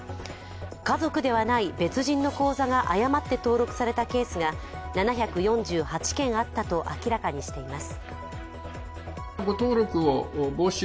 家族ではない別人の口座が誤って登録されたケースが７４８件あったと明らかにしています。